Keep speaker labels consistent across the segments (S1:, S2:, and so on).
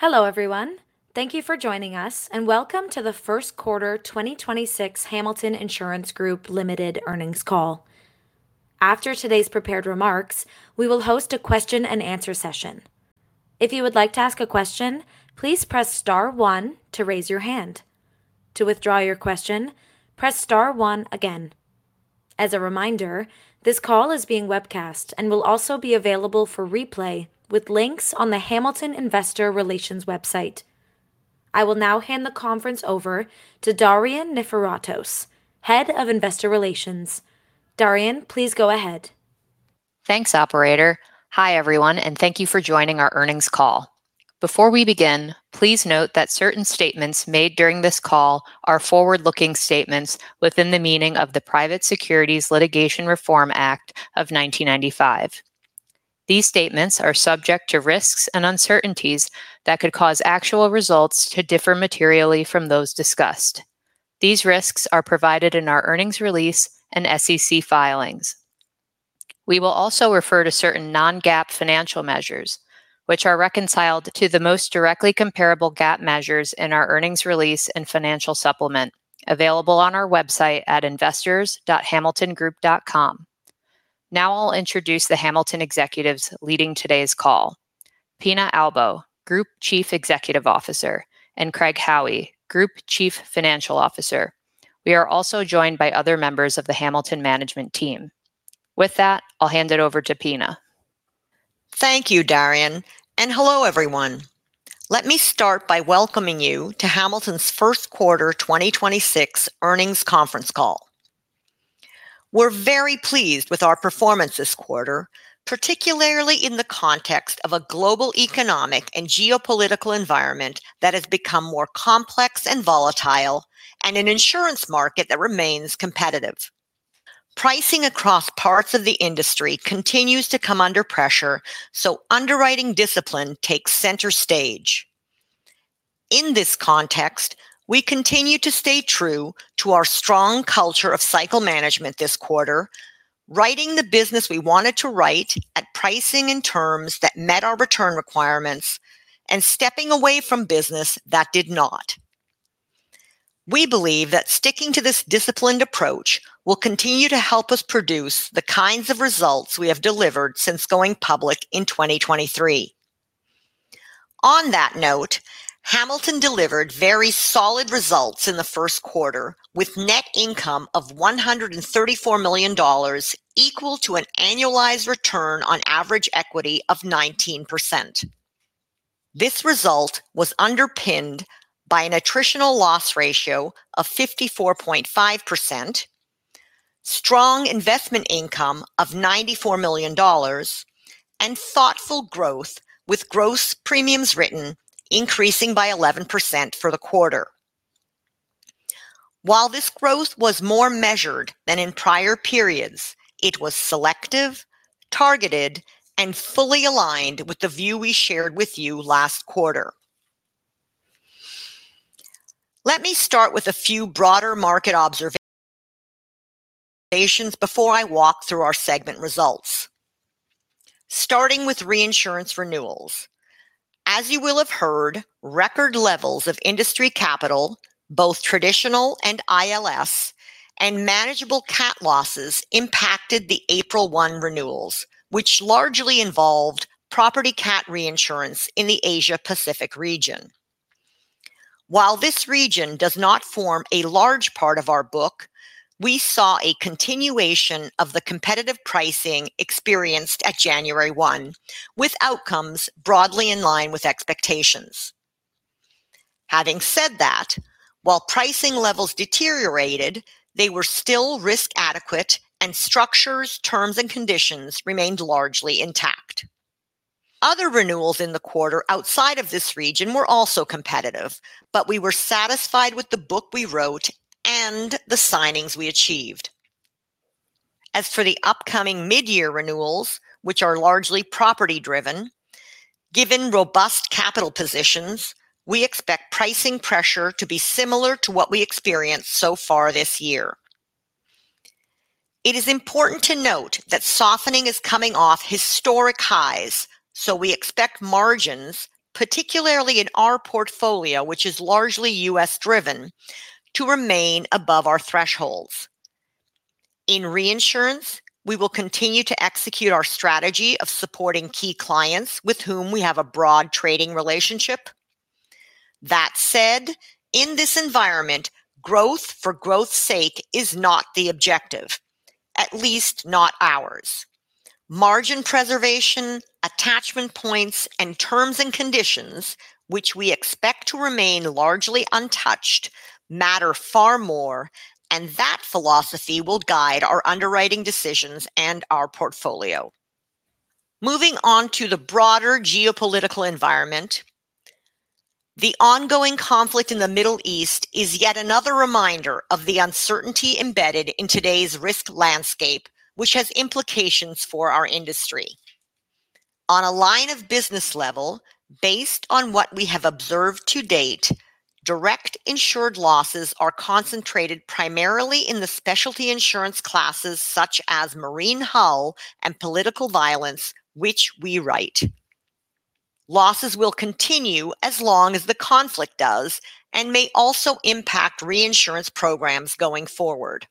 S1: Hello, everyone. Thank you for joining us, and welcome to the first quarter 2026 Hamilton Insurance Group, Ltd. earnings call. After today's prepared remarks, we will host a question-and-answer session. I will now hand the conference over to Darian Niforatos, Head of Investor Relations. Darian, please go ahead.
S2: Thanks, operator. Hi, everyone, thank you for joining our earnings call. Before we begin, please note that certain statements made during this call are forward-looking statements within the meaning of the Private Securities Litigation Reform Act of 1995. These statements are subject to risks and uncertainties that could cause actual results to differ materially from those discussed. These risks are provided in our earnings release and SEC filings. We will also refer to certain non-GAAP financial measures, which are reconciled to the most directly comparable GAAP measures in our earnings release and financial supplement available on our website at investors.hamiltongroup.com. I'll introduce the Hamilton executives leading today's call. Pina Albo, Group Chief Executive Officer, and Craig Howie, Group Chief Financial Officer. We are also joined by other members of the Hamilton management team. I'll hand it over to Pina.
S3: Thank you, Darian. Hello, everyone. Let me start by welcoming you to Hamilton's first quarter 2026 earnings conference call. We're very pleased with our performance this quarter, particularly in the context of a global economic and geopolitical environment that has become more complex and volatile and an insurance market that remains competitive. Pricing across parts of the industry continues to come under pressure. Underwriting discipline takes center stage. In this context, we continue to stay true to our strong culture of cycle management this quarter, writing the business we wanted to write at pricing and terms that met our return requirements and stepping away from business that did not. We believe that sticking to this disciplined approach will continue to help us produce the kinds of results we have delivered since going public in 2023. On that note, Hamilton delivered very solid results in the first quarter with net income of $134 million equal to an annualized return on average equity of 19%. This result was underpinned by an attritional loss ratio of 54.5%, strong investment income of $94 million, and thoughtful growth with gross premiums written increasing by 11% for the quarter. While this growth was more measured than in prior periods, it was selective, targeted, and fully aligned with the view we shared with you last quarter. Let me start with a few broader market observations before I walk through our segment results. Starting with reinsurance renewals. As you will have heard, record levels of industry capital, both traditional and ILS, and manageable cat losses impacted the April 1 renewals, which largely involved property cat reinsurance in the Asia Pacific region. While this region does not form a large part of our book, we saw a continuation of the competitive pricing experienced at January 1 with outcomes broadly in line with expectations. Having said that, while pricing levels deteriorated, they were still risk adequate and structures, terms, and conditions remained largely intact. Other renewals in the quarter outside of this region were also competitive, but we were satisfied with the book we wrote and the signings we achieved. As for the upcoming mid-year renewals, which are largely property driven, given robust capital positions, we expect pricing pressure to be similar to what we experienced so far this year. It is important to note that softening is coming off historic highs, so we expect margins, particularly in our portfolio, which is largely U.S. driven, to remain above our thresholds. In reinsurance, we will continue to execute our strategy of supporting key clients with whom we have a broad trading relationship. That said, in this environment, growth for growth's sake is not the objective, at least not ours. Margin preservation, attachment points, and terms and conditions, which we expect to remain largely untouched, matter far more, and that philosophy will guide our underwriting decisions and our portfolio. Moving on to the broader geopolitical environment, the ongoing conflict in the Middle East is yet another reminder of the uncertainty embedded in today's risk landscape, which has implications for our industry. On a line of business level, based on what we have observed to date, direct insured losses are concentrated primarily in the specialty insurance classes such as marine hull and political violence, which we write. Losses will continue as long as the conflict does and may also impact reinsurance programs going forward.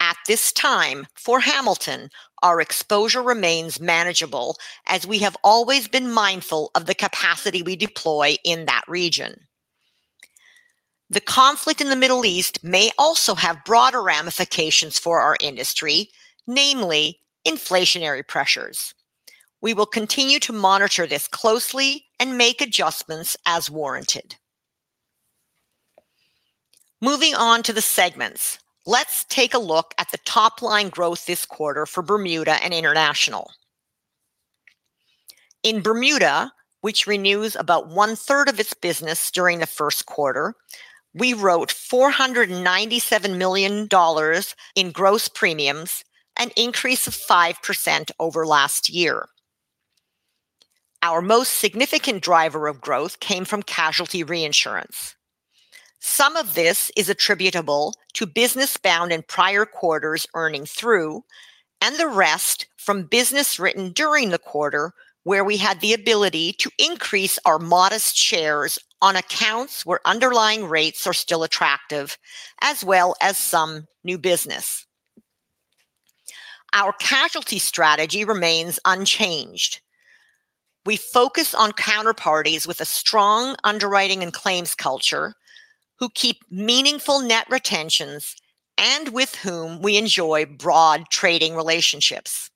S3: At this time, for Hamilton, our exposure remains manageable as we have always been mindful of the capacity we deploy in that region. The conflict in the Middle East may also have broader ramifications for our industry, namely inflationary pressures. We will continue to monitor this closely and make adjustments as warranted. Moving on to the segments. Let's take a look at the top line growth this quarter for Bermuda and International. In Bermuda, which renews about 1/3 of its business during the first quarter, we wrote $497 million in gross premiums, an increase of 5% over last year. Our most significant driver of growth came from casualty reinsurance. Some of this is attributable to business bound in prior quarters earning through and the rest from business written during the quarter where we had the ability to increase our modest shares on accounts where underlying rates are still attractive, as well as some new business. Our casualty strategy remains unchanged. We focus on counterparties with a strong underwriting and claims culture who keep meaningful net retentions and with whom we enjoy broad trading relationships.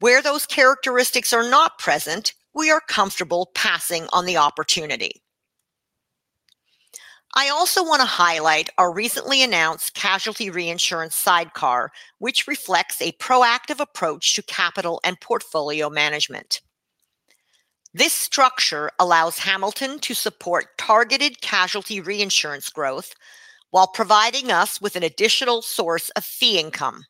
S3: Where those characteristics are not present, we are comfortable passing on the opportunity. I also want to highlight our recently announced casualty reinsurance sidecar, which reflects a proactive approach to capital and portfolio management. This structure allows Hamilton to support targeted casualty reinsurance growth while providing us with an additional source of fee income.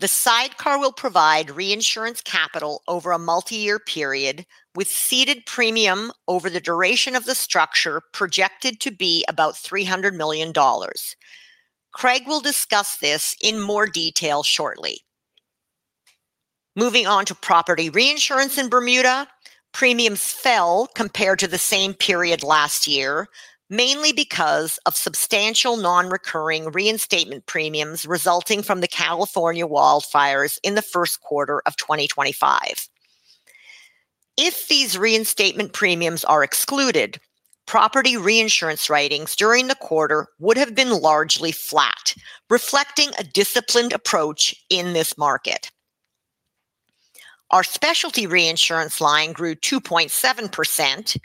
S3: The sidecar will provide reinsurance capital over a multi-year period with ceded premium over the duration of the structure projected to be about $300 million. Craig will discuss this in more detail shortly. Moving on to property reinsurance in Bermuda, premiums fell compared to the same period last year, mainly because of substantial non-recurring reinstatement premiums resulting from the California wildfires in the first quarter of 2025. If these reinstatement premiums are excluded, property reinsurance writings during the quarter would have been largely flat, reflecting a disciplined approach in this market. Our specialty reinsurance line grew 2.7%.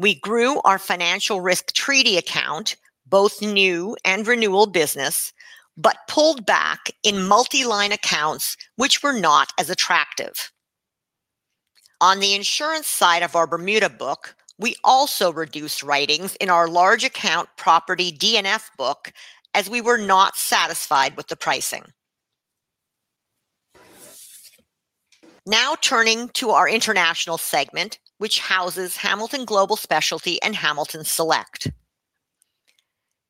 S3: We grew our financial risk treaty account, both new and renewal business, but pulled back in multi-line accounts which were not as attractive. On the insurance side of our Bermuda book, we also reduced writings in our large account property D&F book as we were not satisfied with the pricing. Now turning to our international segment, which houses Hamilton Global Specialty and Hamilton Select.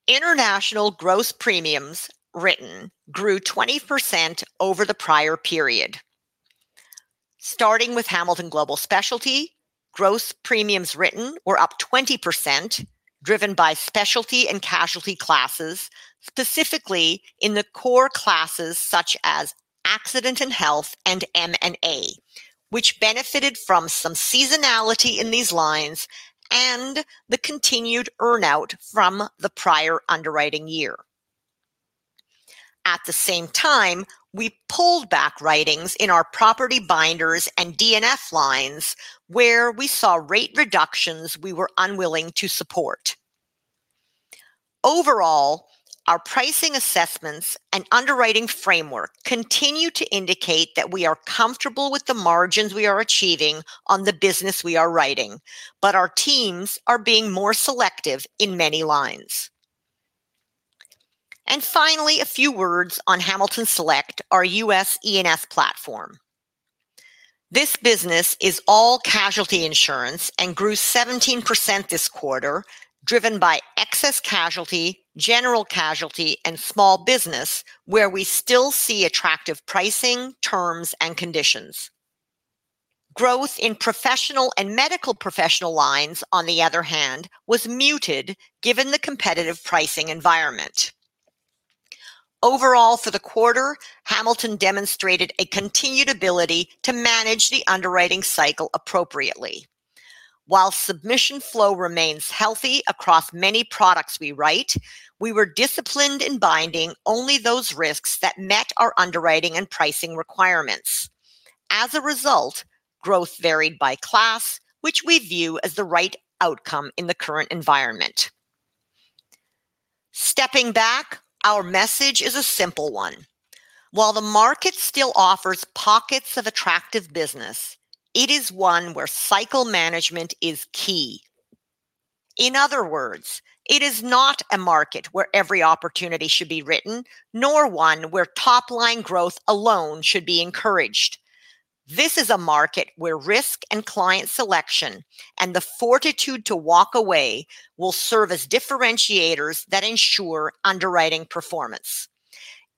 S3: International gross premiums written grew 20% over the prior period. Starting with Hamilton Global Specialty, gross premiums written were up 20%, driven by specialty and casualty classes, specifically in the core classes such as Accident and Health and M&A, which benefited from some seasonality in these lines and the continued earn-out from the prior underwriting year. At the same time, we pulled back writings in our property binders and D&F lines where we saw rate reductions we were unwilling to support. Overall, our pricing assessments and underwriting framework continue to indicate that we are comfortable with the margins we are achieving on the business we are writing, but our teams are being more selective in many lines. Finally, a few words on Hamilton Select, our U.S. E&S platform. This business is all casualty insurance and grew 17% this quarter, driven by excess casualty, general casualty, and small business where we still see attractive pricing, terms, and conditions. Growth in professional and medical professional lines, on the other hand, was muted given the competitive pricing environment. Overall for the quarter, Hamilton demonstrated a continued ability to manage the underwriting cycle appropriately. While submission flow remains healthy across many products we write, we were disciplined in binding only those risks that met our underwriting and pricing requirements. As a result, growth varied by class, which we view as the right outcome in the current environment. Stepping back, our message is a simple one. While the market still offers pockets of attractive business, it is one where cycle management is key. In other words, it is not a market where every opportunity should be written, nor one where top-line growth alone should be encouraged. This is a market where risk and client selection and the fortitude to walk away will serve as differentiators that ensure underwriting performance.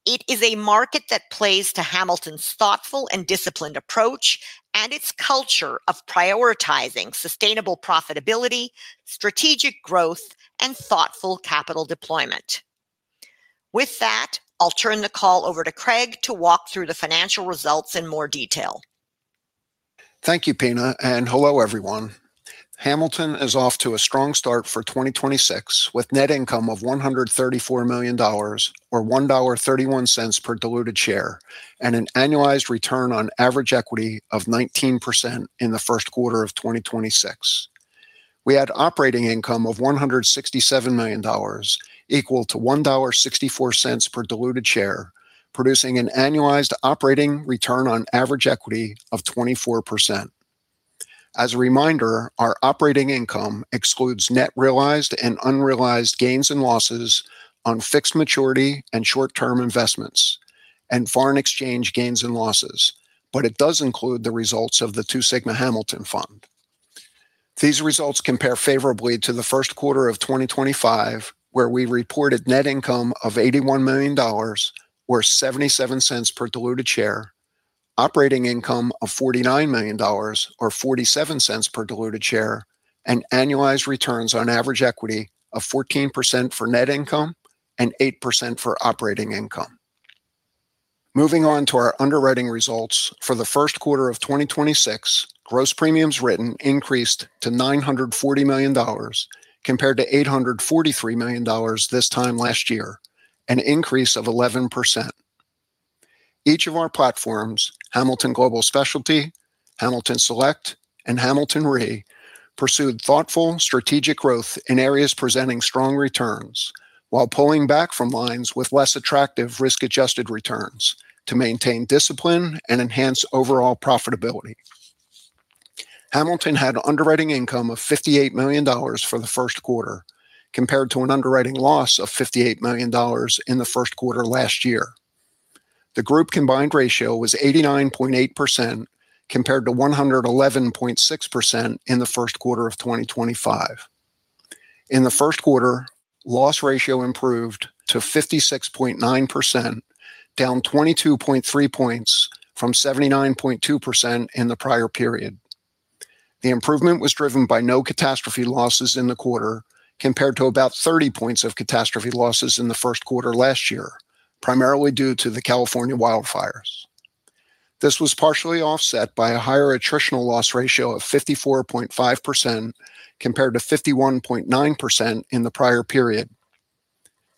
S3: It is a market that plays to Hamilton's thoughtful and disciplined approach and its culture of prioritizing sustainable profitability, strategic growth, and thoughtful capital deployment. With that, I'll turn the call over to Craig to walk through the financial results in more detail.
S4: Thank you, Pina, and hello, everyone. Hamilton is off to a strong start for 2026 with net income of $134 million or $1.31 per diluted share and an annualized return on average equity of 19% in the first quarter of 2026. We had operating income of $167 million, equal to $1.64 per diluted share, producing an annualized operating return on average equity of 24%. As a reminder, our operating income excludes net realized and unrealized gains and losses on fixed maturity and short-term investments and foreign exchange gains and losses. It does include the results of the Two Sigma Hamilton Fund. These results compare favorably to the first quarter of 2025, where we reported net income of $81 million, or $0.77 per diluted share, operating income of $49 million, or $0.47 per diluted share, and annualized returns on average equity of 14% for net income and 8% for operating income. Moving on to our underwriting results. For the first quarter of 2026, gross premiums written increased to $940 million compared to $843 million this time last year, an increase of 11%. Each of our platforms, Hamilton Global Specialty, Hamilton Select, and Hamilton Re, pursued thoughtful strategic growth in areas presenting strong returns while pulling back from lines with less attractive risk-adjusted returns to maintain discipline and enhance overall profitability. Hamilton had underwriting income of $58 million for the first quarter, compared to an underwriting loss of $58 million in the first quarter last year. The group combined ratio was 89.8% compared to 111.6% in the first quarter of 2025. In the first quarter, loss ratio improved to 56.9%, down 22.3 points from 79.2% in the prior period. The improvement was driven by no catastrophe losses in the quarter, compared to about 30 points of catastrophe losses in the first quarter last year, primarily due to the California wildfires. This was partially offset by a higher attritional loss ratio of 54.5% compared to 51.9% in the prior period.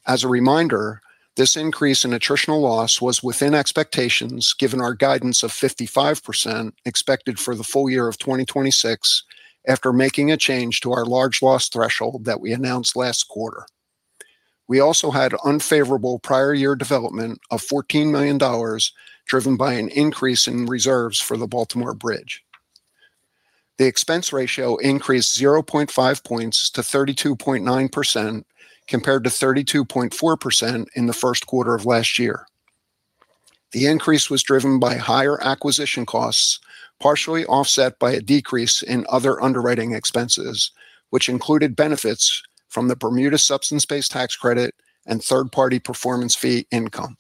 S4: As a reminder, this increase in attritional loss was within expectations given our guidance of 55% expected for the full year of 2026 after making a change to our large loss threshold that we announced last quarter. We also had unfavorable prior year development of $14 million driven by an increase in reserves for the Baltimore Bridge. The expense ratio increased 0.5 points to 32.9% compared to 32.4% in the first quarter of last year. The increase was driven by higher acquisition costs, partially offset by a decrease in other underwriting expenses, which included benefits from the Bermuda Substance-Based Tax Credit and third-party performance fee income.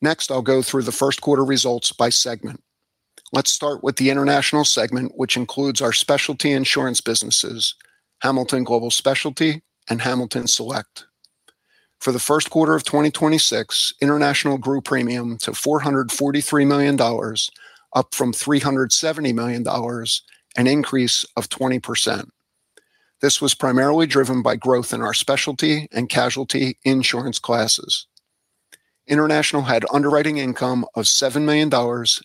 S4: Next, I'll go through the first quarter results by segment. Let's start with the International segment, which includes our specialty insurance businesses, Hamilton Global Specialty and Hamilton Select. For the first quarter of 2026, International grew premium to $443 million, up from $370 million, an increase of 20%. This was primarily driven by growth in our specialty and casualty insurance classes. International had underwriting income of $7 million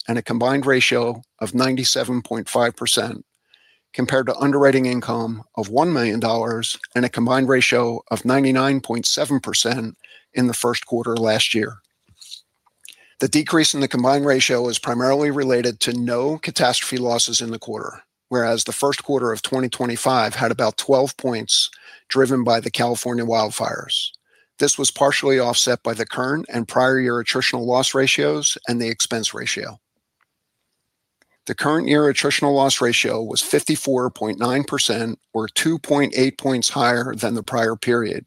S4: and a combined ratio of 97.5% compared to underwriting income of $1 million and a combined ratio of 99.7% in the first quarter last year. The decrease in the combined ratio is primarily related to no catastrophe losses in the quarter, whereas the first quarter of 2025 had about 12 points driven by the California wildfires. This was partially offset by the current and prior year attritional loss ratios and the expense ratio. The current year attritional loss ratio was 54.9% or 2.8 points higher than the prior period.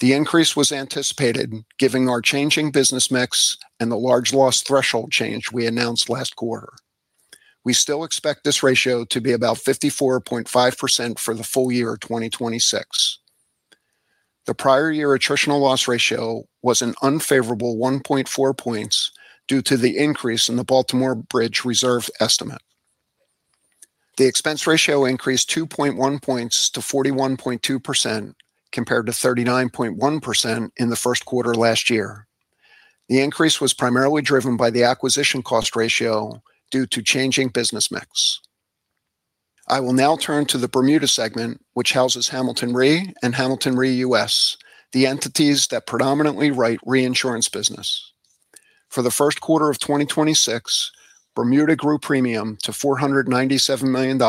S4: The increase was anticipated given our changing business mix and the large loss threshold change we announced last quarter. We still expect this ratio to be about 54.5% for the full year of 2026. The prior year attritional loss ratio was an unfavorable 1.4 points due to the increase in the Baltimore Bridge reserve estimate. The expense ratio increased 2.1 points to 41.2% compared to 39.1% in the first quarter last year. The increase was primarily driven by the acquisition cost ratio due to changing business mix. I will now turn to the Bermuda segment, which houses Hamilton Re and Hamilton Re U.S., the entities that predominantly write reinsurance business. For the first quarter of 2026, Bermuda grew premium to $497 million,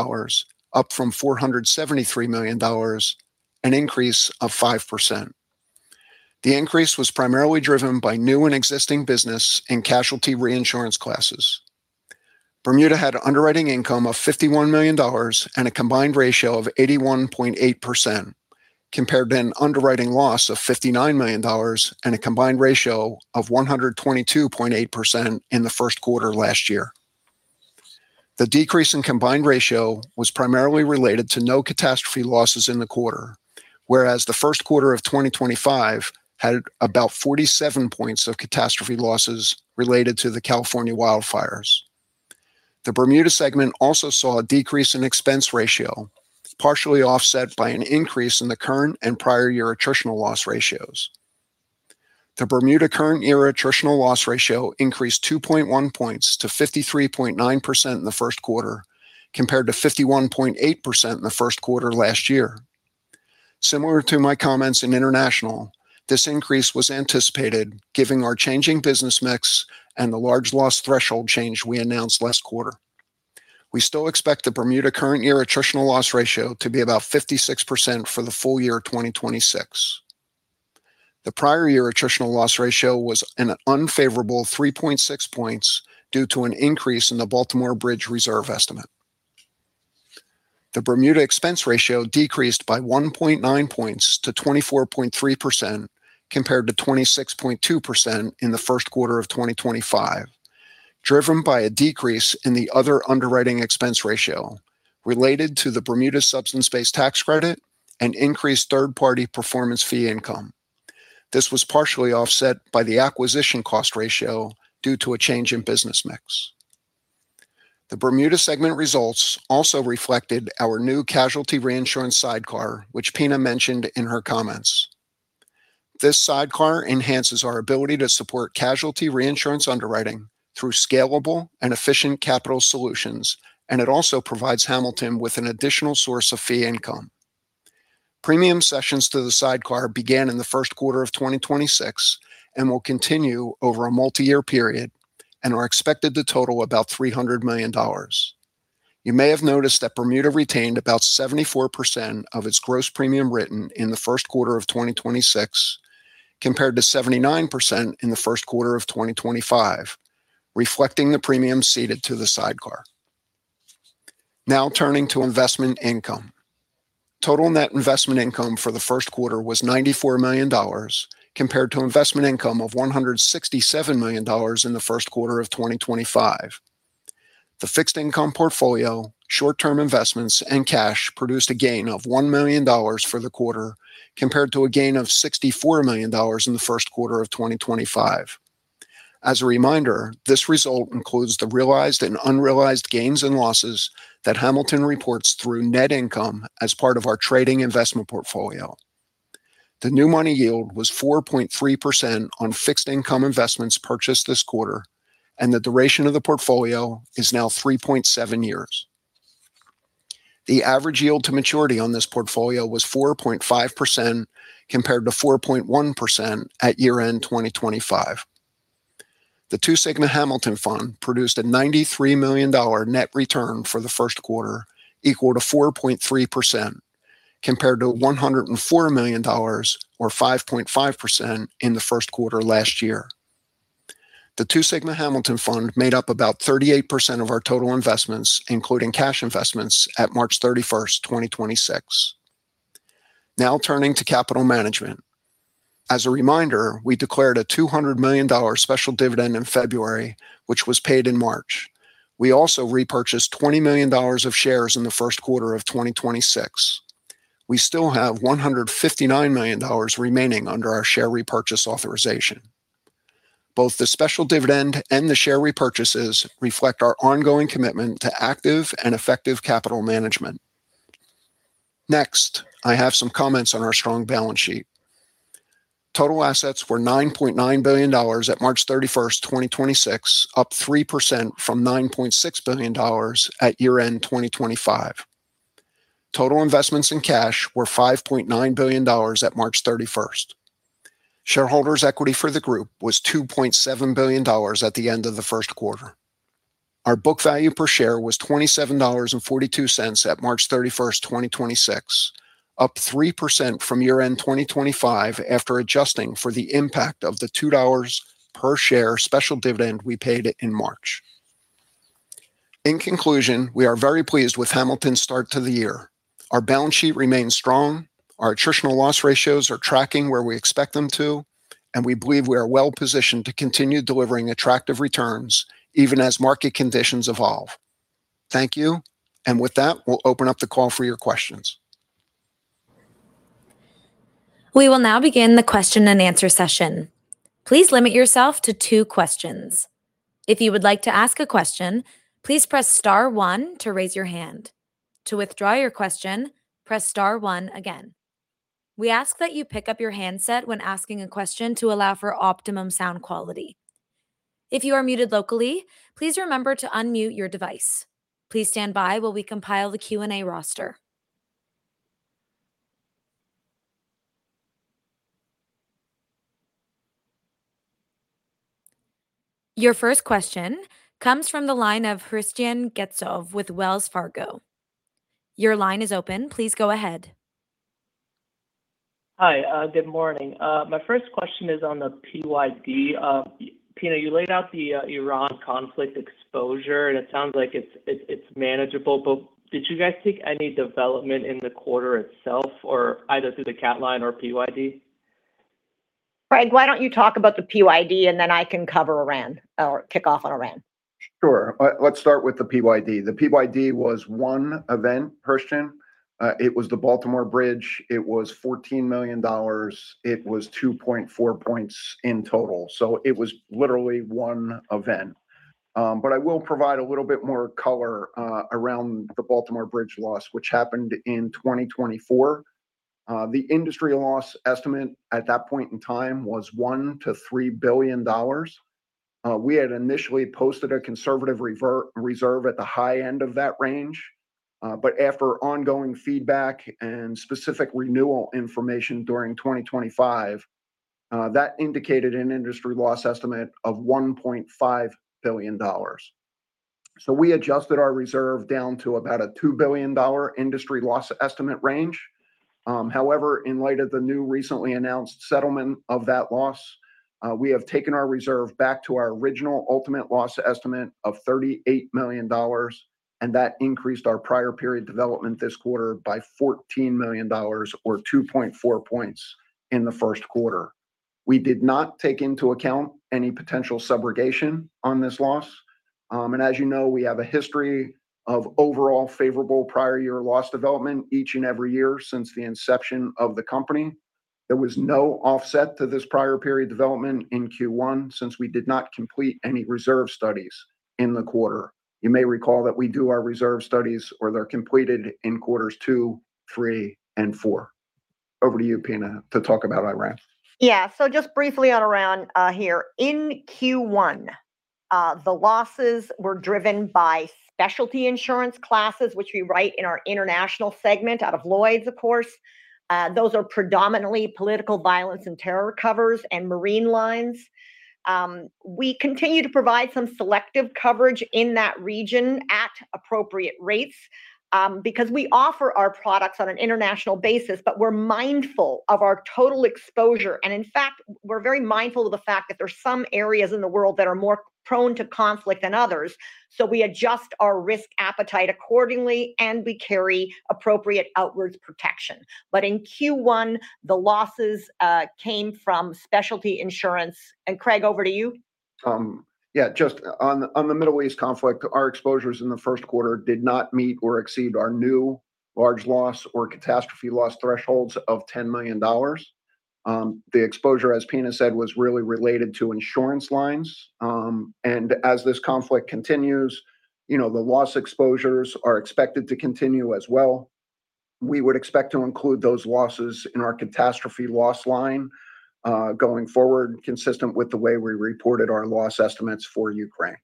S4: up from $473 million, an increase of 5%. The increase was primarily driven by new and existing business in casualty reinsurance classes. Bermuda had underwriting income of $51 million and a combined ratio of 81.8% compared to an underwriting loss of $59 million and a combined ratio of 122.8% in the first quarter last year. The decrease in combined ratio was primarily related to no catastrophe losses in the quarter, whereas the first quarter of 2025 had about 47 points of catastrophe losses related to the California wildfires. The Bermuda segment also saw a decrease in expense ratio, partially offset by an increase in the current and prior year attritional loss ratios. The Bermuda current year attritional loss ratio increased 2.1 points to 53.9% in the first quarter compared to 51.8% in the first quarter last year. Similar to my comments in international, this increase was anticipated given our changing business mix and the large loss threshold change we announced last quarter. We still expect the Bermuda current year attritional loss ratio to be about 56% for the full year of 2026. The prior year attritional loss ratio was an unfavorable 3.6 points due to an increase in the Baltimore Bridge reserve estimate. The Bermuda expense ratio decreased by 1.9 points to 24.3% compared to 26.2% in the first quarter of 2025, driven by a decrease in the other underwriting expense ratio related to the Bermuda Substance-Based Tax Credit and increased third-party performance fee income. This was partially offset by the acquisition cost ratio due to a change in business mix. The Bermuda segment results also reflected our new casualty reinsurance sidecar, which Pina mentioned in her comments. This sidecar enhances our ability to support casualty reinsurance underwriting through scalable and efficient capital solutions, and it also provides Hamilton with an additional source of fee income. Premium sessions to the sidecar began in the first quarter of 2026 and will continue over a multi-year period and are expected to total about $300 million. You may have noticed that Bermuda retained about 74% of its gross premium written in the first quarter of 2026 compared to 79% in the first quarter of 2025, reflecting the premium ceded to the sidecar. Now turning to investment income. Total net investment income for the first quarter was $94 million compared to investment income of $167 million in the first quarter of 2025. The fixed income portfolio, short-term investments, and cash produced a gain of $1 million for the quarter compared to a gain of $64 million in the first quarter of 2025. As a reminder, this result includes the realized and unrealized gains and losses that Hamilton reports through net income as part of our trading investment portfolio. The new money yield was 4.3% on fixed income investments purchased this quarter, and the duration of the portfolio is now 3.7 years. The average yield to maturity on this portfolio was 4.5% compared to 4.1% at year-end 2025. The Two Sigma Hamilton Fund produced a $93 million net return for the first quarter, equal to 4.3%, compared to $104 million or 5.5% in the first quarter last year. The Two Sigma Hamilton Fund made up about 38% of our total investments, including cash investments, at March 31st, 2026. Turning to capital management. As a reminder, we declared a $200 million special dividend in February, which was paid in March. We also repurchased $20 million of shares in the first quarter of 2026. We still have $159 million remaining under our share repurchase authorization. Both the special dividend and the share repurchases reflect our ongoing commitment to active and effective capital management. I have some comments on our strong balance sheet. Total assets were $9.9 billion at March 31, 2026, up 3% from $9.6 billion at year-end 2025. Total investments in cash were $5.9 billion at March 31. Shareholders' equity for the group was $2.7 billion at the end of the first quarter. Our book value per share was $27.42 at March 31, 2026, up 3% from year-end 2025 after adjusting for the impact of the $2 per share special dividend we paid in March. In conclusion, we are very pleased with Hamilton's start to the year. Our balance sheet remains strong. Our attritional loss ratios are tracking where we expect them to, and we believe we are well-positioned to continue delivering attractive returns even as market conditions evolve. Thank you. With that, we'll open up the call for your questions.
S1: Your first question comes from the line of Hristian Getsov with Wells Fargo. Your line is open. Please go ahead.
S5: Hi. Good morning. My first question is on the PYD. Pina, you laid out the Iran conflict exposure, and it sounds like it's manageable, but did you guys take any development in the quarter itself or either through the cat line or PYD?
S3: Craig, why don't you talk about the PYD, and then I can cover Iran or kick off on Iran.
S4: Sure. Let's start with the PYD. The PYD was one event, Hristian. It was the Baltimore Bridge. It was $14 million. It was 2.4 points in total. It was literally one event. But I will provide a little bit more color around the Baltimore Bridge loss, which happened in 2024. The industry loss estimate at that point in time was $1 billion-$3 billion. We had initially posted a conservative reserve at the high end of that range, but after ongoing feedback and specific renewal information during 2025, that indicated an industry loss estimate of $1.5 billion. We adjusted our reserve down to about a $2 billion industry loss estimate range. However, in light of the new recently announced settlement of that loss, we have taken our reserve back to our original ultimate loss estimate of $38 million, and that increased our prior period development this quarter by $14 million or 2.4 points in the first quarter. We did not take into account any potential subrogation on this loss. And as you know, we have a history of overall favorable prior year loss development each and every year since the inception of the company. There was no offset to this prior period development in Q1 since we did not complete any reserve studies in the quarter. You may recall that we do our reserve studies, or they're completed in quarters two, three, and four. Over to you, Pina, to talk about Iran.
S3: Yeah. Just briefly on Iran here. In Q1, the losses were driven by specialty insurance classes, which we write in our international segment out of Lloyd's, of course. Those are predominantly political violence and terror covers and marine lines. We continue to provide some selective coverage in that region at appropriate rates because we offer our products on an international basis, but we're mindful of our total exposure. In fact, we're very mindful of the fact that there's some areas in the world that are more prone to conflict than others. We adjust our risk appetite accordingly, and we carry appropriate outwards protection. In Q1, the losses came from specialty insurance. Craig, over to you.
S4: Yeah, just on the Middle East conflict, our exposures in the first quarter did not meet or exceed our new large loss or catastrophe loss thresholds of $10 million. The exposure, as Pina said, was really related to insurance lines. As this conflict continues, you know, the loss exposures are expected to continue as well. We would expect to include those losses in our catastrophe loss line, going forward, consistent with the way we reported our loss estimates for Ukraine.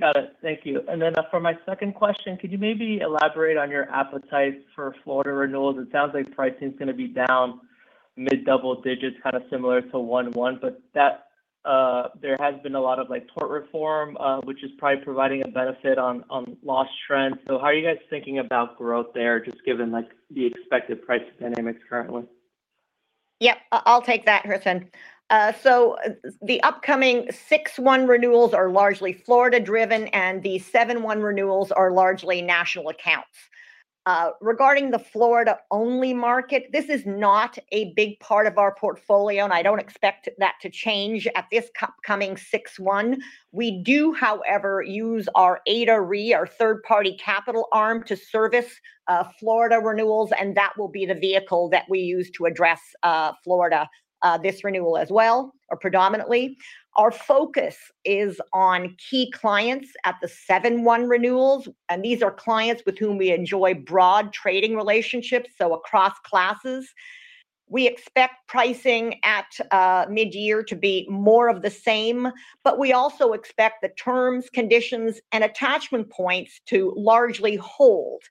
S5: Got it. Thank you. For my second question, could you maybe elaborate on your appetite for Florida renewals? It sounds like pricing's gonna be down mid-double digits, kind of similar to 1/1. That there has been a lot of, like, tort reform, which is probably providing a benefit on loss trends. How are you guys thinking about growth there, just given, like, the expected price dynamics currently?
S3: Yep, I'll take that, Hristian. The upcoming 6/1 renewals are largely Florida driven. The 7/1 renewals are largely national accounts. Regarding the Florida only market, this is not a big part of our portfolio. I don't expect that to change at this coming 6/1. We do, however, use our Ada Re, our third-party capital arm, to service Florida renewals. That will be the vehicle that we use to address Florida this renewal as well, or predominantly. Our focus is on key clients at the 7/1 renewals. These are clients with whom we enjoy broad trading relationships, so across classes. We expect pricing at midyear to be more of the same. We also expect the terms, conditions, and attachment points to largely hold.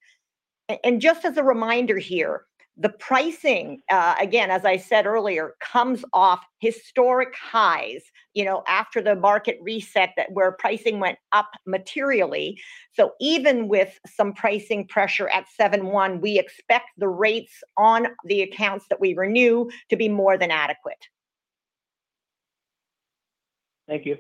S3: Just as a reminder here, the pricing, again, as I said earlier, comes off historic highs, you know, after the market reset that where pricing went up materially. So even with some pricing pressure at 7/1, we expect the rates on the accounts that we renew to be more than adequate.
S5: Thank you.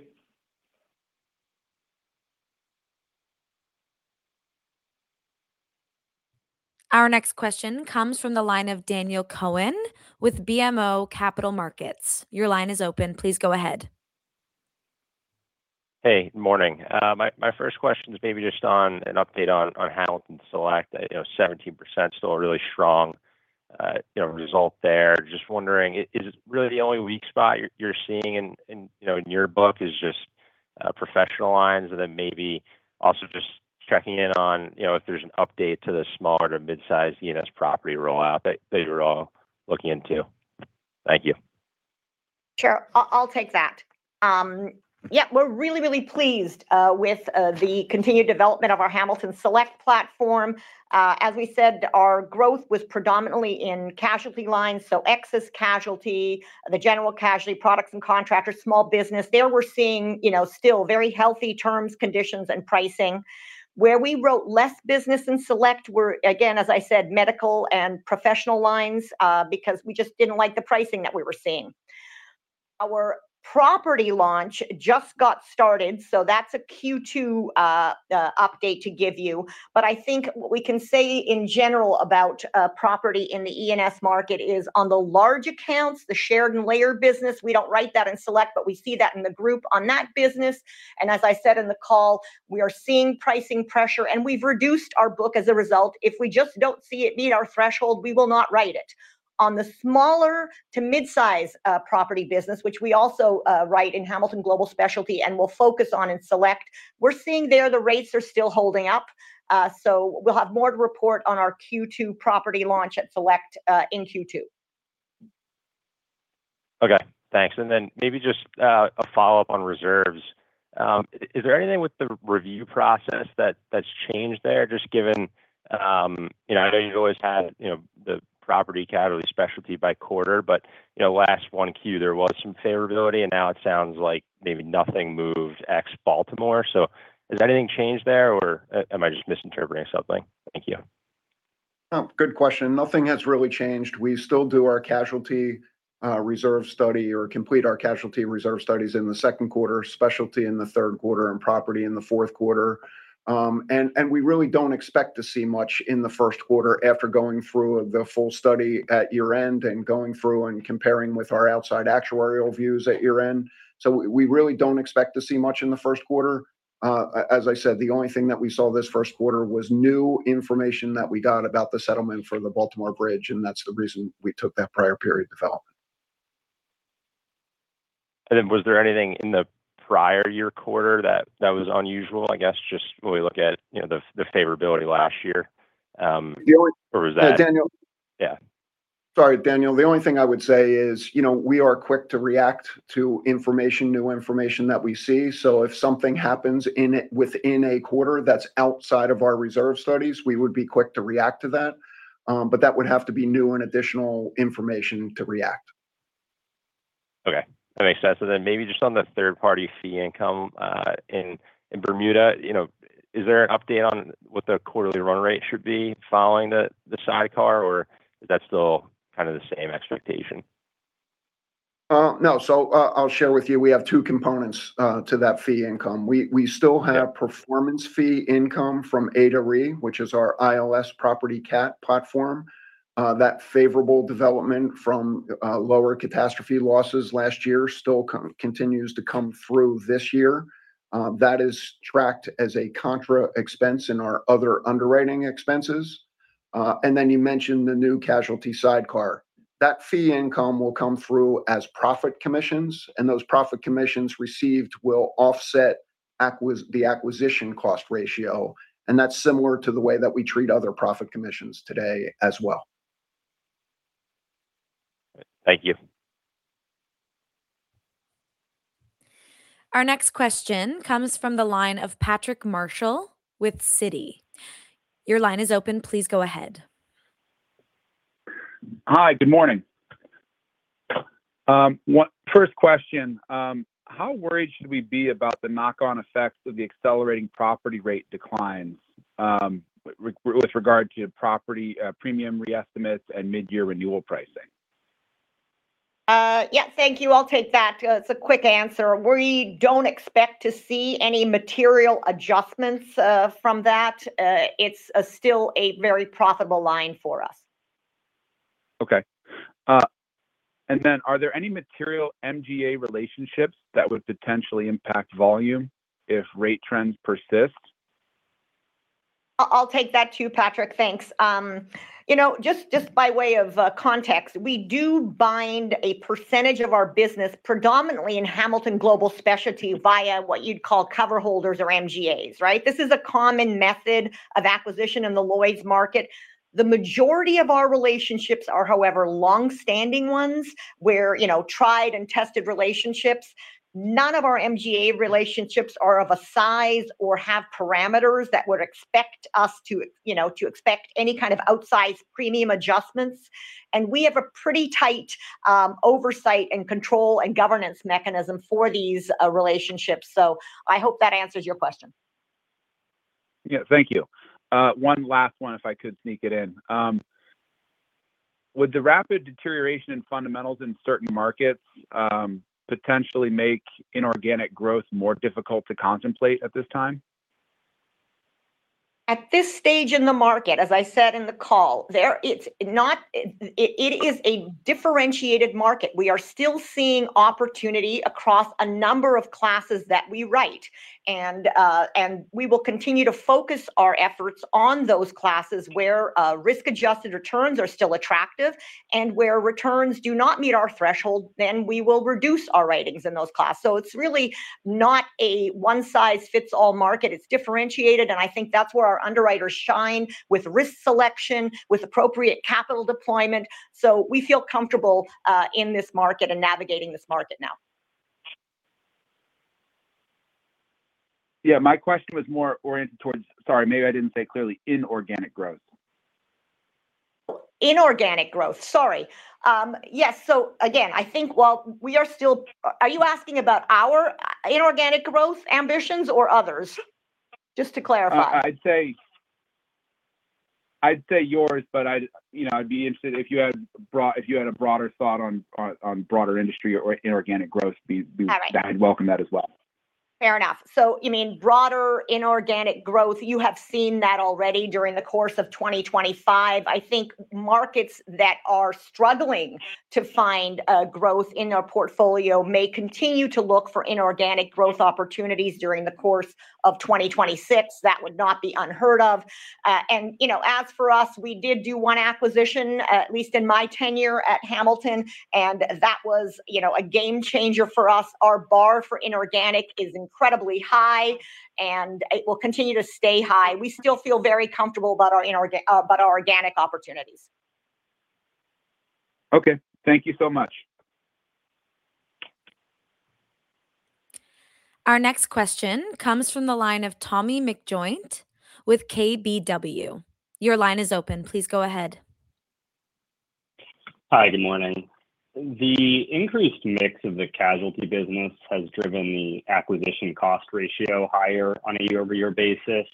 S1: Our next question comes from the line of Daniel Cohen with BMO Capital Markets. Your line is open. Please go ahead.
S6: Hey, morning. My first question is maybe just on an update on Hamilton Select. You know, 17%'s still a really strong, you know, result there. Just wondering, is really the only weak spot you're seeing in, you know, in your book is just professional lines? Then maybe also just checking in on, you know, if there's an update to the smaller to midsize E&S property rollout that you're all looking into. Thank you.
S3: Sure. I'll take that. Yeah, we're really, really pleased with the continued development of our Hamilton Select platform. As we said, our growth was predominantly in casualty lines, so excess casualty, the general casualty products and contractors, small business. There we're seeing, you know, still very healthy terms, conditions, and pricing. Where we wrote less business in Select were, again as I said, medical and professional lines, because we just didn't like the pricing that we were seeing. Our property launch just got started, so that's a Q2 update to give you. I think what we can say in general about property in the E&S market is on the large accounts, the shared and layered business, we don't write that in Select, but we see that in the group on that business. As I said in the call, we are seeing pricing pressure, and we've reduced our book as a result. If we just don't see it meet our threshold, we will not write it. On the smaller to mid-size property business, which we also write in Hamilton Global Specialty and will focus on in Select, we're seeing there the rates are still holding up. So we'll have more to report on our Q2 property launch at Select in Q2.
S6: Okay. Thanks. Maybe just a follow-up on reserves. Is there anything with the review process that's changed there, just given, you know, I know you've always had, you know, the property casualty specialty by quarter. You know, last 1Q there was some favorability, and now it sounds like maybe nothing moved ex Baltimore. Has anything changed there or am I just misinterpreting something? Thank you.
S4: Good question. Nothing has really changed. We still do our casualty reserve study or complete our casualty reserve studies in the 2nd quarter, specialty in the 3rd quarter, and property in the 4th quarter. We really don't expect to see much in the 1st quarter after going through the full study at year-end and going through and comparing with our outside actuarial views at year-end. We really don't expect to see much in the 1st quarter. As I said, the only thing that we saw this 1st quarter was new information that we got about the settlement for the Baltimore Bridge, and that's the reason we took that prior period development.
S6: Was there anything in the prior year quarter that was unusual, I guess, just when we look at, you know, the favorability last year?
S4: The only-
S6: was that?
S4: No, Daniel.
S6: Yeah.
S4: Sorry, Daniel. The only thing I would say is, you know, we are quick to react to information, new information that we see. If something happens in a, within a quarter that's outside of our reserve studies, we would be quick to react to that. That would have to be new and additional information to react.
S6: Okay. That makes sense. Maybe just on the third party fee income, in Bermuda, you know, is there an update on what the quarterly run rate should be following the sidecar, or is that still kind of the same expectation?
S4: No. I'll share with you, we have two components, to that fee income. We still have performance fee income from Ada Re, which is our ILS property cat platform. That favorable development from lower catastrophe losses last year still continues to come through this year. That is tracked as a contra expense in our other underwriting expenses. You mentioned the new casualty sidecar. That fee income will come through as profit commissions, and those profit commissions received will offset the acquisition cost ratio, and that's similar to the way that we treat other profit commissions today as well.
S6: Thank you.
S1: Our next question comes from the line of Patrick Marshall with Citi. Your line is open. Please go ahead.
S7: Hi. Good morning. First question, how worried should we be about the knock-on effects of the accelerating property rate declines with regard to property premium reestimates and midyear renewal pricing?
S3: Yeah. Thank you. I'll take that. It's a quick answer. We don't expect to see any material adjustments from that. It's still a very profitable line for us.
S7: Okay. Are there any material MGA relationships that would potentially impact volume if rate trends persist?
S3: I'll take that too, Patrick. Thanks. You know, just by way of context, we do bind a percentage of our business predominantly in Hamilton Global Specialty via what you'd call cover holders or MGAs, right? This is a common method of acquisition in the Lloyd's market. The majority of our relationships are, however, longstanding ones where, you know, tried and tested relationships. None of our MGA relationships are of a size or have parameters that would expect us to expect any kind of outsized premium adjustments. We have a pretty tight oversight and control and governance mechanism for these relationships. I hope that answers your question.
S7: Yeah. Thank you. One last one if I could sneak it in. Would the rapid deterioration in fundamentals in certain markets, potentially make inorganic growth more difficult to contemplate at this time?
S3: At this stage in the market, as I said in the call, it is a differentiated market. We are still seeing opportunity across a number of classes that we write. We will continue to focus our efforts on those classes where risk-adjusted returns are still attractive. Where returns do not meet our threshold, then we will reduce our writings in those classes. It's really not a one-size-fits-all market. It's differentiated, and I think that's where our underwriters shine with risk selection, with appropriate capital deployment. We feel comfortable in this market and navigating this market now.
S7: My question was more oriented towards, sorry, maybe I didn't say clearly, inorganic growth.
S3: Inorganic growth. Sorry. Yes, again, Are you asking about our inorganic growth ambitions or others? Just to clarify.
S7: I'd say yours, but I'd, you know, I'd be interested if you had a broader thought on broader industry or inorganic growth.
S3: All right.
S7: I'd welcome that as well.
S3: Fair enough. You mean broader inorganic growth. You have seen that already during the course of 2025. I think markets that are struggling to find growth in their portfolio may continue to look for inorganic growth opportunities during the course of 2026. That would not be unheard of. You know, as for us, we did do one acquisition, at least in my tenure at Hamilton, and that was, you know, a game changer for us. Our bar for inorganic is incredibly high, and it will continue to stay high. We still feel very comfortable about our organic opportunities.
S7: Okay. Thank you so much.
S1: Our next question comes from the line of Thomas McJoynt with KBW. Your line is open. Please go ahead.
S8: Hi. Good morning. The increased mix of the casualty business has driven the acquisition cost ratio higher on a year-over-year basis.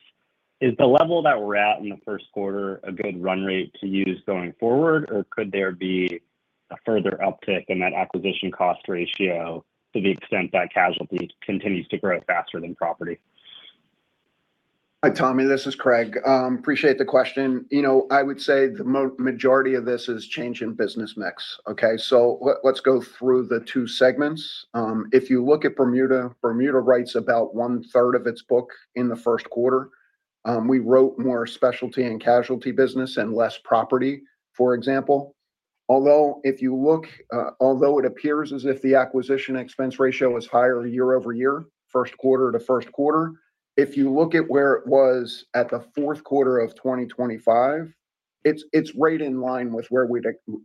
S8: Is the level that we're at in the first quarter a good run rate to use going forward, or could there be a further uptick in that acquisition cost ratio to the extent that casualty continues to grow faster than property?
S4: Hi, Tommy. This is Craig. Appreciate the question. You know, I would say the majority of this is change in business mix. Let's go through the two segments. If you look at Bermuda writes about 1/3 of its book in the first quarter. We wrote more specialty and casualty business and less property, for example. Although it appears as if the acquisition expense ratio is higher year-over-year, first quarter to first quarter, if you look at where it was at the fourth quarter of 2025, it's right in line with where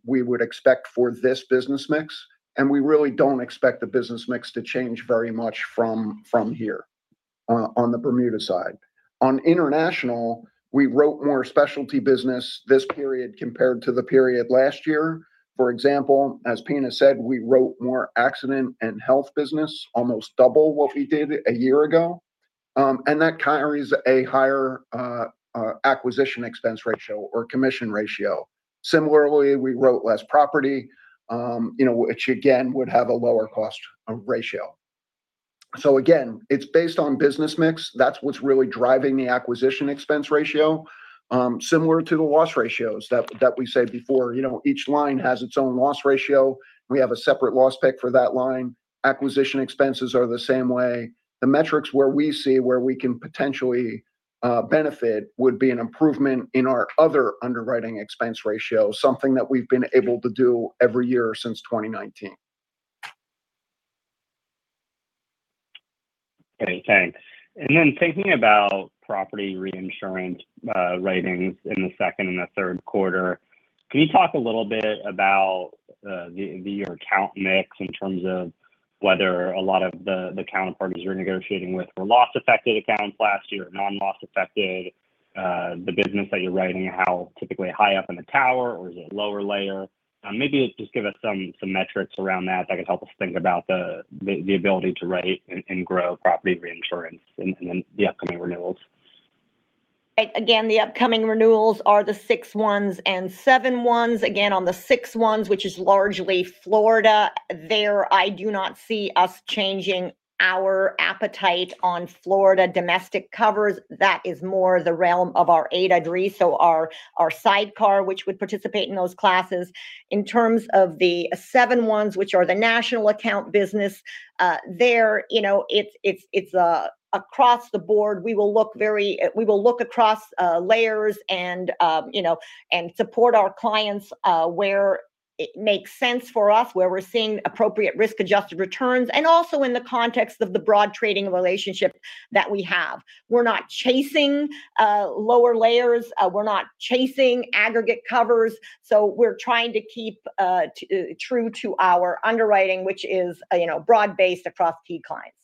S4: we would expect for this business mix, and we really don't expect the business mix to change very much from here on the Bermuda side. On international, we wrote more specialty business this period compared to the period last year. For example, as Pina said, we wrote more Accident and Health business, almost double what we did a year ago, and that carries a higher acquisition expense ratio or commission ratio. Similarly, we wrote less property, you know, which again would have a lower cost ratio. Again, it's based on business mix. That's what's really driving the acquisition expense ratio, similar to the loss ratios that we said before. You know, each line has its own loss ratio. We have a separate loss pick for that line. Acquisition expenses are the same way. The metrics where we can potentially benefit would be an improvement in our other underwriting expense ratio, something that we've been able to do every year since 2019.
S8: Okay, thanks. Thinking about property reinsurance writings in the second and the third quarter, can you talk a little bit about your account mix in terms of whether a lot of the counterparties you're negotiating with were loss-affected accounts last year or non-loss affected? The business that you're writing, how typically high up in the tower or is it lower layer? Maybe just give us some metrics around that that could help us think about the ability to write and grow property reinsurance in the upcoming renewals.
S3: The upcoming renewals are the 6/1s and 7/1s On the 6 ones, which is largely Florida, there I do not see us changing our appetite on Florida domestic covers. That is more the realm of our Ada Re, so our sidecar, which would participate in those classes. In terms of the 7/1s, which are the national account business, there, you know, it's across the board. We will look across layers and, you know, and support our clients where it makes sense for us, where we're seeing appropriate risk-adjusted returns and also in the context of the broad trading relationship that we have. We're not chasing lower layers. We're not chasing aggregate covers. We're trying to keep true to our underwriting, which is, you know, broad-based across key clients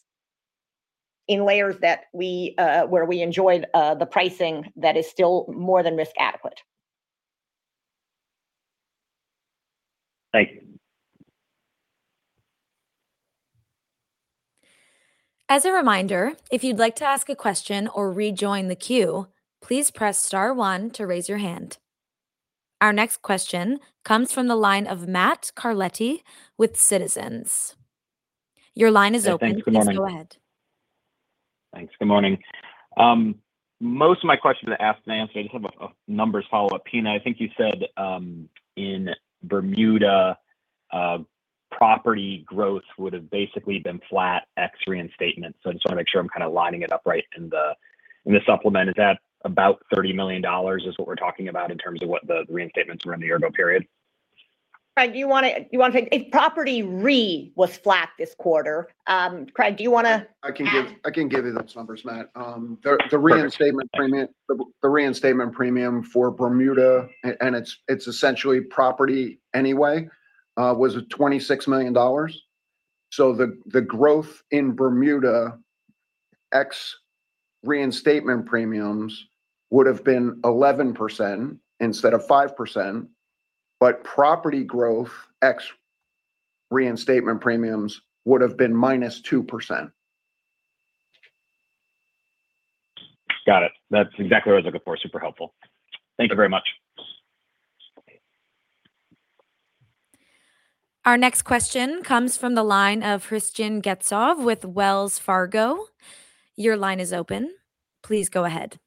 S3: in layers that we, where we enjoy the pricing that is still more than risk adequate.
S8: Thank you.
S1: As a reminder, if you'd like to ask a question or rejoin the queue, please press star one to raise your hand. Our next question comes from the line of Matt Carletti with Citizens. Your line is open.
S9: Hey, thanks. Good morning.
S1: Please go ahead.
S9: Thanks. Good morning. Most of my questions are asked and answered. I just have a numbers follow-up. Pina, I think you said, in Bermuda, property growth would have basically been flat ex reinstatements, so I just want to make sure I'm kinda lining it up right in the supplement. Is that about $30 million is what we're talking about in terms of what the reinstatements were in the year-ago period?
S3: If property re was flat this quarter, Craig, do you wanna add?
S4: I can give you those numbers, Matt. The reinstatement premium. The reinstatement premium for Bermuda, and it's essentially property anyway. Was it $26 million? The growth in Bermuda ex reinstatement premiums would've been 11% instead of 5%, but property growth ex reinstatement premiums would've been -2%.
S9: Got it. That's exactly what I was looking for. Super helpful. Thank you very much.
S1: Our next question comes from the line of Hristian Getsov with Wells Fargo. Your line is open. Please go ahead.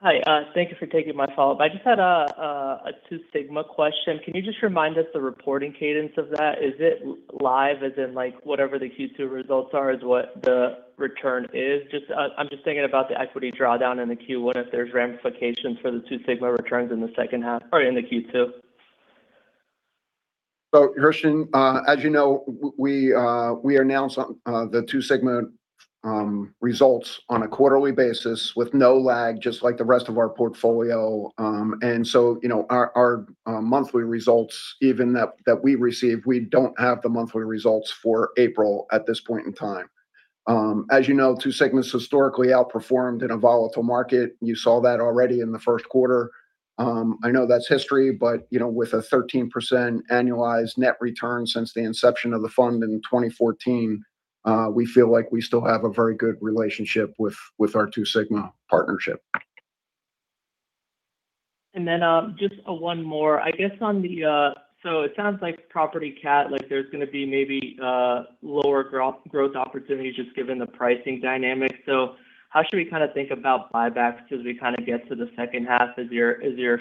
S5: Hi, thank you for taking my call. I just had a Two Sigma question. Can you just remind us the reporting cadence of that? Is it live as in like whatever the Q2 results are is what the return is? Just, I'm just thinking about the equity drawdown in the Q1 if there's ramifications for the Two Sigma returns in the second half or in the Q2.
S4: Hristian, as you know, we announce the Two Sigma results on a quarterly basis with no lag, just like the rest of our portfolio. You know, our monthly results, even that we receive, we don't have the monthly results for April at this point in time. As you know, Two Sigma's historically outperformed in a volatile market. You saw that already in the first quarter. I know that's history, but, you know, with a 13% annualized net return since the inception of the fund in 2014, we feel like we still have a very good relationship with our Two Sigma partnership.
S5: Just one more. It sounds like property cat, like there's gonna be maybe lower growth opportunities just given the pricing dynamics. How should we kind of think about buybacks as we kind of get to the second half? As your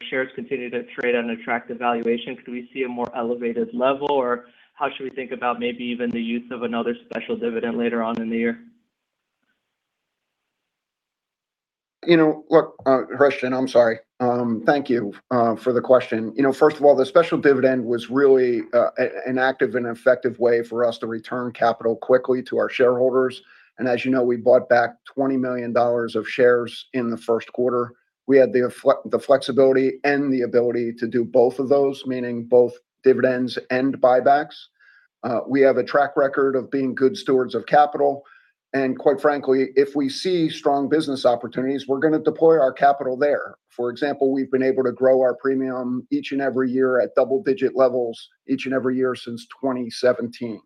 S5: shares continue to trade on attractive valuation, could we see a more elevated level, or how should we think about maybe even the use of another special dividend later on in the year?
S4: You know, look, Hristian, I'm sorry. Thank you for the question. You know, first of all, the special dividend was really an active and effective way for us to return capital quickly to our shareholders. As you know, we bought back $20 million of shares in the first quarter. We had the flexibility and the ability to do both of those, meaning both dividends and buybacks. We have a track record of being good stewards of capital. Quite frankly, if we see strong business opportunities, we're gonna deploy our capital there. For example, we've been able to grow our premium each and every year at double-digit levels each and every year since 2017.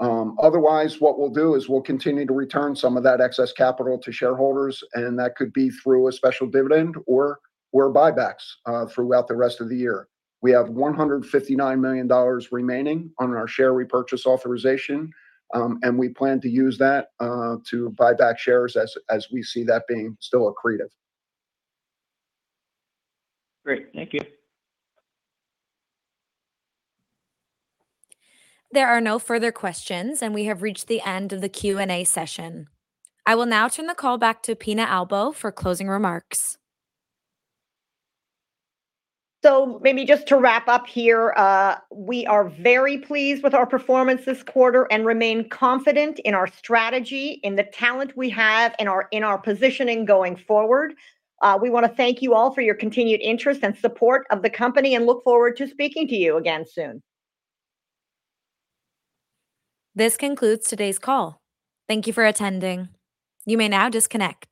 S4: Otherwise, what we'll do is we'll continue to return some of that excess capital to shareholders, and that could be through a special dividend or buybacks throughout the rest of the year. We have $159 million remaining on our share repurchase authorization, and we plan to use that to buy back shares as we see that being still accretive.
S5: Great. Thank you.
S1: There are no further questions, and we have reached the end of the Q&A session. I will now turn the call back to Pina Albo for closing remarks.
S3: Maybe just to wrap up here, we are very pleased with our performance this quarter and remain confident in our strategy, in the talent we have, in our positioning going forward. We wanna thank you all for your continued interest and support of the company and look forward to speaking to you again soon.
S1: This concludes today's call. Thank you for attending. You may now disconnect.